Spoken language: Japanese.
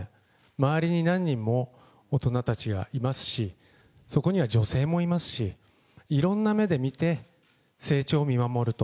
周りに何人も大人たちがいますし、そこには女性もいますし、いろんな目で見て、成長を見守ると。